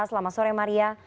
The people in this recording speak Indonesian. selamat sore maria